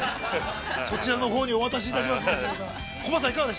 ◆そちらのほうにお渡しいたしますので。